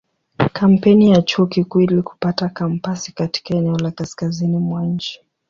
Kampeni ya Chuo Kikuu ili kupata kampasi katika eneo la kaskazini mwa nchi.